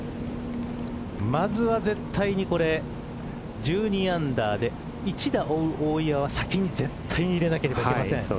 まずは絶対に１２アンダーで１打追う大岩は先に絶対に入れなければいけません。